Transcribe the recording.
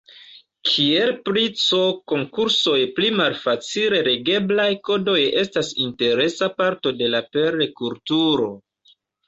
Kiel pri C, konkursoj pri malfacile legeblaj kodoj estas interesa parto de la Perl-kulturo.